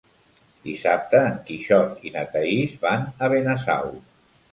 Dissabte en Quixot i na Thaís van a Benasau.